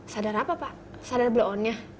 sadar apa pak sadar black on nya